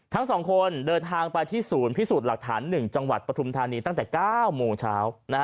ทั้งสองคนเดินทางไปที่ศูนย์พิสูจน์หลักฐาน๑จังหวัดปฐุมธานีตั้งแต่๙โมงเช้า